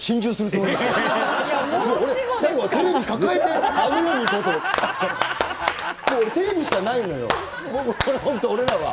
もうテレビしかないのよ、本当、俺らは。